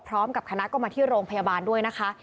พร้อมกับคณะก็มาที่โรงพยาบาลด้วยนะคะ